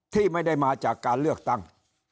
ที่ไม่ได้มาจากการเลือกตั้ง